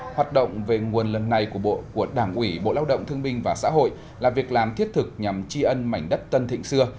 hoạt động về nguồn lần này của đảng ủy bộ lao động thương binh và xã hội là việc làm thiết thực nhằm tri ân mảnh đất tân thịnh xưa